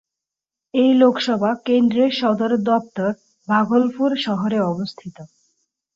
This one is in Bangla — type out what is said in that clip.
এই লোকসভা কেন্দ্রের সদর দফতর ভাগলপুর শহরে অবস্থিত।